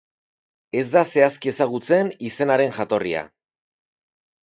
Ez da zehazki ezagutzen izenaren jatorria.